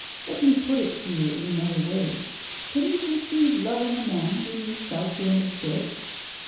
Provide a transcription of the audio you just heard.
Let me put it to you in another way. Can you conceive loving a man whom you felt you understood?"